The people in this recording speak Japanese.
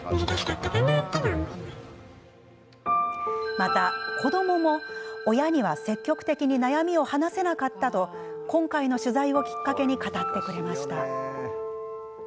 また、子どもも親には積極的に悩みを話せなかったと今回の取材をきっかけに語ってくれました。